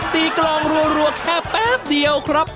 กลองรัวแค่แป๊บเดียวครับ